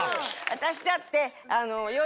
私だって。